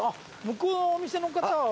向こうのお店の方は若い。